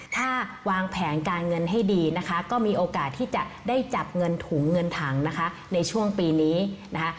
ถ้าวางแผนการเงินให้ดีนะคะก็มีโอกาสที่จะได้จับเงินถุงเงินถังนะคะในช่วงปีนี้นะคะ